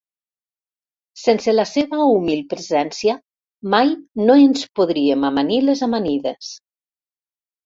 Sense la seva humil presència mai no ens podríem amanir les amanides.